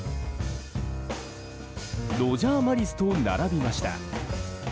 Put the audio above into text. ロジャー・マリスと並びました。